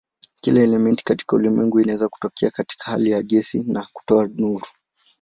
Kila elementi katika ulimwengu inaweza kutokea katika hali ya gesi na kutoa nuru.